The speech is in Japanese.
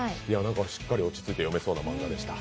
しっかり落ち着いて読めそうな漫画でした。